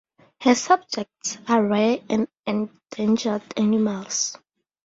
Her subjects are rare and endangered animals.